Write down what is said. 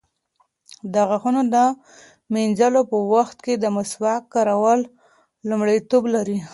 د غاښونو د مینځلو په وخت کې د مسواک کارول لومړیتوب لري.